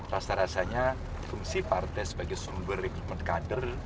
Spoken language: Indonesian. rasa rasanya fungsi partai sebagai sumber rekrutmen kader